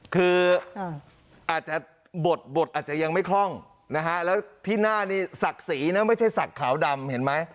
เพราะหน้านี้ศักดิ์สีร์นนะไม่ใช่ศักดิ์ขาวดำเห็นไหม